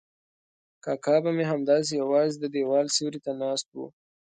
کاکا به مې همداسې یوازې د دیوال سیوري ته ناست و.